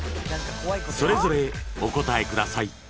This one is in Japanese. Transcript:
［それぞれお答えください］